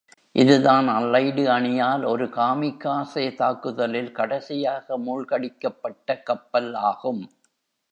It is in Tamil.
இதுதான் அல்லைடு அணியால் ஒரு “காமிக்காஸே” தாக்குதலில் கடைசியாக மூழ்கடிக்கப்பட்ட கப்பல் ஆகும்.